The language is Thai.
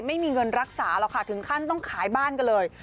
ไม่มีเงินรักษาหรอกค่ะถึงขั้นต้องขายบ้านกันเลย